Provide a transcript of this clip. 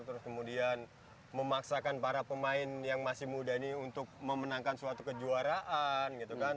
terus kemudian memaksakan para pemain yang masih muda ini untuk memenangkan suatu kejuaraan gitu kan